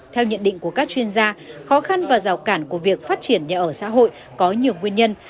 theo nhận định của các chuyên gia khó khăn và rào cản của việc phát triển nhà ở xã hội có nhiều nguyên nhân